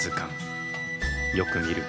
よく見ると。